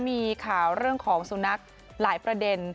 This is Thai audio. มีข่าวเรื่องของสุนัขหลายประเด็น